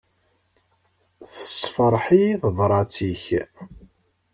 Tessefṛeḥ-iyi-d tebrat-ik.